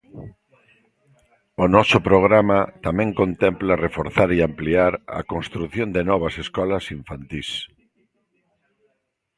O noso programa tamén contempla reforzar e ampliar a construción de novas escolas infantís.